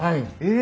え！